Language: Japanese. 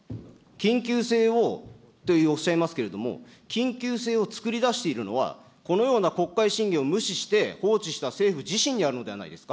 緊急性とおっしゃいますけれども、緊急性を作り出しているのは、このような国会審議を無視して放置した政府自身にあるのではないですか。